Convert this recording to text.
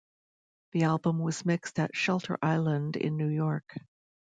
The album was mixed at Shelter Island in New York.